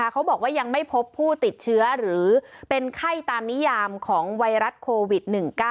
เขาบอกว่ายังไม่พบผู้ติดเชื้อหรือเป็นไข้ตามนิยามของไวรัสโควิด๑๙